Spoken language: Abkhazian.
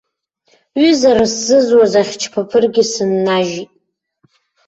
Ҩызара сзызуаз ахьчԥаԥыргьы сыннажьит.